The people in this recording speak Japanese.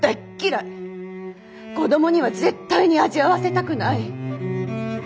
子供には絶対に味わわせたくない。